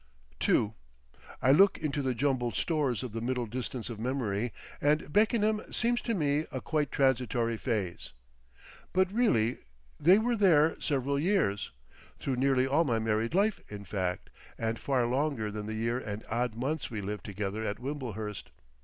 II I look into the jumbled stores of the middle distance of memory, and Beckenham seems to me a quite transitory phase. But really they were there several years; through nearly all my married life, in fact, and far longer than the year and odd months we lived together at Wimblehurst.